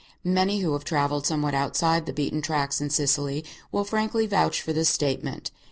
Many who have travelled somewhat outside the beaten tracks in Sicily will frankly vouch for this statement.